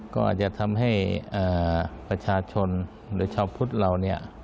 ก็อาจจะทำให้ประชาชนหรือชาวพุทธเราเนี่ย